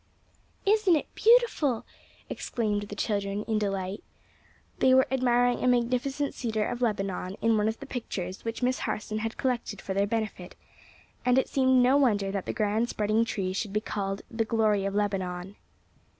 "Isn't it beautiful?" exclaimed the children, in delight. They were admiring a magnificent cedar of Lebanon in one of the pictures which Miss Harson had collected for their benefit, and it seemed no wonder that the grand spreading tree should be called "the glory of Lebanon."